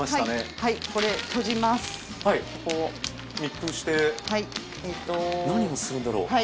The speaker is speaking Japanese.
密封して何をするんだろう？